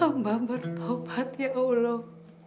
amba bertaubat ya allah